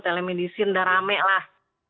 telemedicine udah rame lah